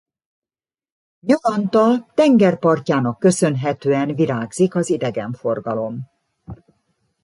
Nyaranta tengerpartjának köszönhetően virágzik az idegenforgalom.